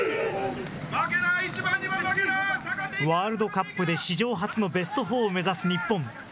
ワールドカップで史上初のベストフォーを目指す日本。